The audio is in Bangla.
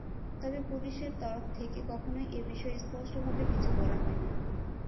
তবে পুলিশের তরফ থেকে কখনোই এ বিষয়ে স্পষ্টভাবে কিছু বলা হয়নি।